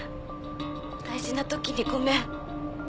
大事なときにごめん。